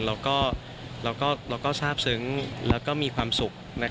เราก็ทราบซึ้งแล้วก็มีความสุข